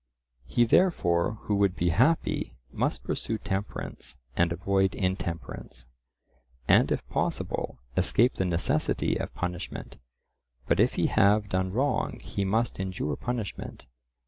He therefore who would be happy must pursue temperance and avoid intemperance, and if possible escape the necessity of punishment, but if he have done wrong he must endure punishment.